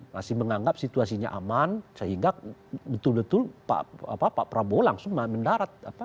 masih menganggap situasinya aman sehingga betul betul pak prabowo langsung mendarat